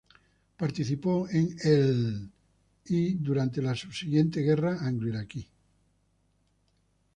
Participó en el y, durante la subsiguiente Guerra anglo-iraquí.